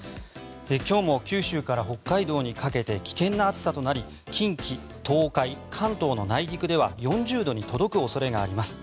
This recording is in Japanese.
今日も九州から北海道にかけて危険な暑さとなり近畿、東海、関東の内陸では４０度に届く恐れがあります。